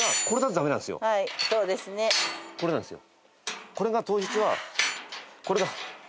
これなんですよ。